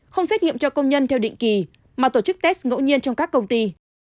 không xét nghiệm cho công nhân theo định kỳ mà tổ chức test ngẫu nhiên trong các công ty